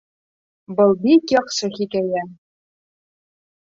Был бик яҡшы хикәйә